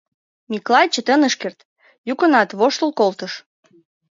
Миклай чытен ыш керт, йӱкынак воштыл колтыш.